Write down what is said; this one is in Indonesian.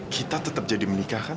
kita tetap jadi menikah kan